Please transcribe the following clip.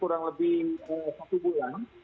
kurang lebih satu bulan